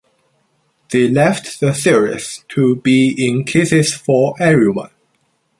They left the series to be in “Kisses for Everyone”.